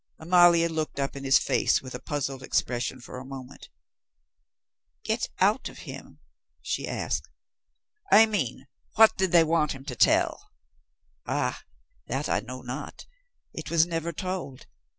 Amalia looked up in his face with a puzzled expression for a moment. "Get out of him?" she asked. "I mean, what did they want him to tell?" "Ah, that I know not. It was never told.